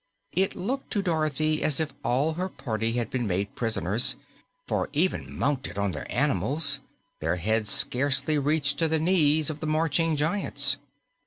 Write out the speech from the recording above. It looked to Dorothy as if all her party had been made prisoners, for even mounted on their animals their heads scarcely reached to the knees of the marching giants.